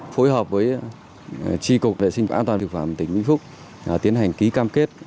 phối hợp với tri cục vệ sinh và an toàn thực phẩm tỉnh vĩnh phúc tiến hành ký cam kết